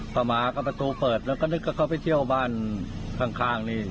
ต่อมาก็ประตูเปิดแล้วก็นึกว่าเขาไปเที่ยวบ้านข้างนี่